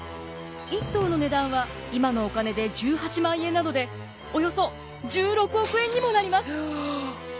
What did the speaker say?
１頭の値段は今のお金で１８万円なのでおよそ１６億円にもなります。